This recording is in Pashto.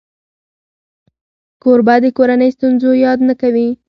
کوربه د کورنۍ ستونزو یاد نه کوي.